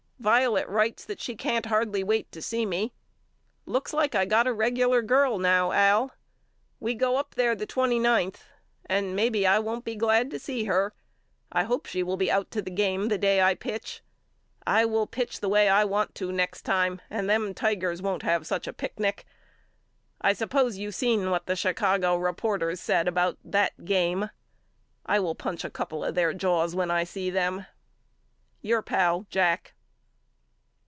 Violet writes that she can't hardly wait to see me. Looks like I got a regular girl now Al. We go up there the twenty ninth and maybe I won't be glad to see her. I hope she will be out to the game the day I pitch. I will pitch the way I want A BUSKER'S LETTERS HOME 43 to next time and them Tigers won't have such a picnic. I suppose you seen what the Chicago reporters said about that game. I will punch a couple of their jaws when I see them. Your pal, JACK.